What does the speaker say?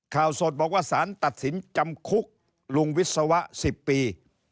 ข่าวสดบอกว่าสารตัดสินจำคุกลุงวิศวะ๑๐ปี